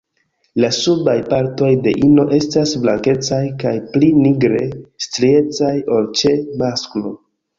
La subaj partoj de ino estas blankecaj kaj pli nigre striecaj ol ĉe masklo.